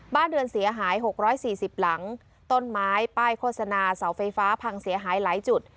บ้านเรือนเสียหาย๖๔๐หลังต้นไม้ป้ายโฆษณาเสาไฟฟ้าพังเสียหายหลายจุด